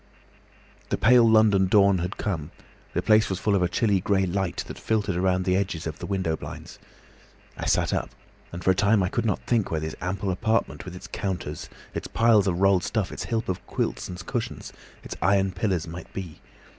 "The pale London dawn had come, the place was full of a chilly grey light that filtered round the edges of the window blinds. I sat up, and for a time I could not think where this ample apartment, with its counters, its piles of rolled stuff, its heap of quilts and cushions, its iron pillars, might be.